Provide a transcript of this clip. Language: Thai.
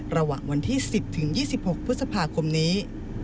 ระหว่างวันที่๑๐๒๖พฤษภาคมนี้